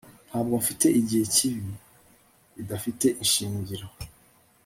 ntabwo mfite igihe cyibi bidafite ishingiro